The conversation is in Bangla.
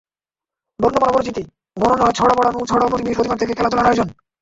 বর্ণমালা পরিচিতি, গণনা, ছড়া পড়ানো ছাড়াও প্রতি বৃহস্পতিবার থাকে খেলাধুলার আয়োজন।